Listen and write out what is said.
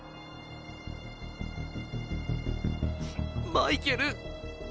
マイケル。